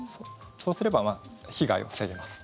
そうすれば被害を防げます。